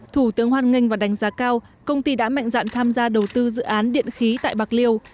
thủ tướng hoan nghênh và đánh giá cao công ty đã mạnh dạn tham gia đầu tư dự án điện khí tại bạc liêu